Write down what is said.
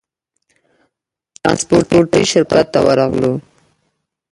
ترانسپورټي شرکت ته ورغلو.